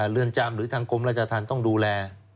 เรือนจำหรือทางกรมราชธรรมต้องดูแล